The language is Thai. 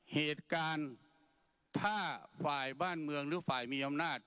เหตุการณ์ถ้าฝ่ายบ้านเมืองหรือฝ่ายมีอำนาจ